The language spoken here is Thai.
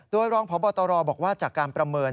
โดยรองพบตรบอกว่าจากการประเมิน